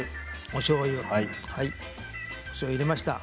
おしょうゆを入れました。